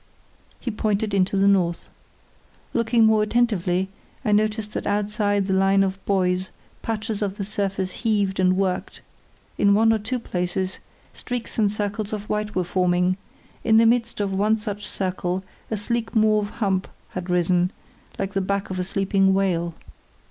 He pointed into the north. Looking more attentively I noticed that outside the line of buoys patches of the surface heaved and worked; in one or two places streaks and circles of white were forming; in the midst of one such circle a sleek mauve hump had risen, like the back of a sleeping whale.